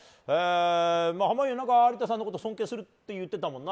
濱家、有田さんのことを尊敬してるって言ってたもんな。